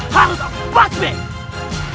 harus aku buat bek